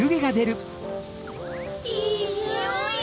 いいにおい！